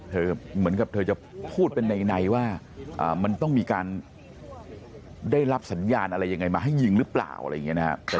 เหมือนกับเธอจะพูดเป็นในว่ามันต้องมีการได้รับสัญญาณอะไรยังไงมาให้ยิงหรือเปล่าอะไรอย่างนี้นะครับ